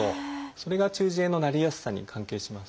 それが中耳炎のなりやすさに関係します。